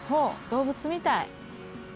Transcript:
動物見たい。